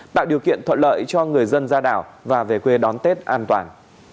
tạo điều kiện thuận lợi cho người dân ra đảo và về quê đón tết an toàn